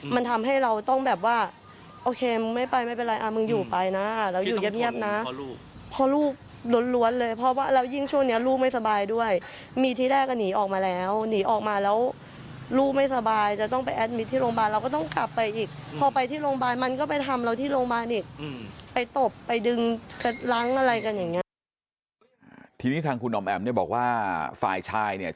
มันทำให้เราต้องแบบว่าโอเคมึงไม่ไปไม่เป็นไรอะมึงอยู่ไปนะแล้วอยู่เย็บนะเพราะลูกล้วนเลยเพราะว่าแล้วยิ่งช่วงเนี้ยลูกไม่สบายด้วยมีที่แรกอะหนีออกมาแล้วหนีออกมาแล้วลูกไม่สบายจะต้องไปแอดมิตรที่โรงพยาบาลเราก็ต้องกลับไปอีกพอไปที่โรงพยาบาลมันก็ไปทำเราที่โรงพยาบาลอีกไปตบไปดึงล้างอะไรกันอย่างเงี้ย